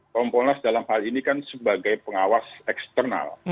kompolnas dalam hal ini kan sebagai pengawas eksternal